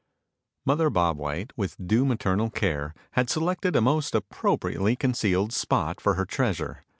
Mother Bob White, with due maternal care, had selected a most appropriately concealed spot for her treasure.